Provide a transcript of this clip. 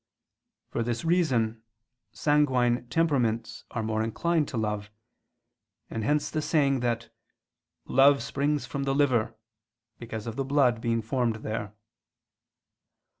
For this reason sanguine temperaments are more inclined to love; and hence the saying that "love springs from the liver," because of the blood being formed there.